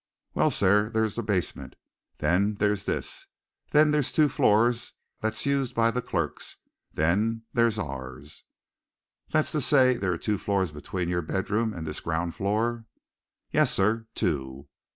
"Well, sir, there's the basement then there's this then there's two floors that's used by the clerks then there's ours." "That's to say there are two floors between your bedroom and this ground floor?" "Yes, sir two."